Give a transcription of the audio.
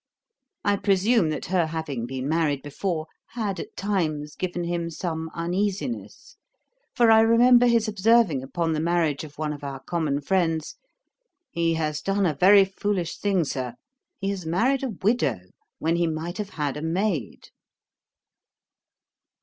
I presume that her having been married before had, at times, given him some uneasiness; for I remember his observing upon the marriage of one of our common friends, 'He has done a very foolish thing, Sir; he has married a widow, when he might have had a maid.'